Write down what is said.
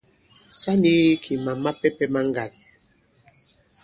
Sa nīgī kì màm mapɛ̄pɛ̄ ma ŋgǎn.